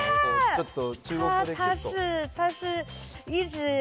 ちょっと。